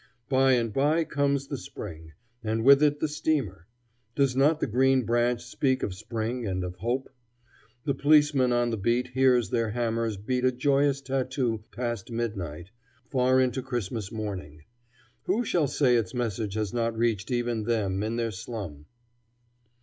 By and by comes the spring, and with it the steamer. Does not the green branch speak of spring and of hope? The policeman on the beat hears their hammers beat a joyous tattoo past midnight, far into Christmas morning. Who shall say its message has not reached even them in their slum?